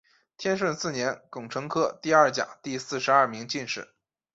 天顺四年庚辰科第二甲第四十二名进士。